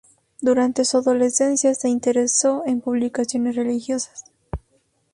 Durante su adolescencia se interesó en publicaciones religiosas.